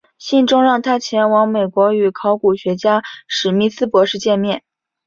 信中让他前往美国与考古学家史密斯博士见面。